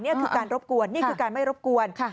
นี่คือการรบกวนนี่คือการไม่รบกวน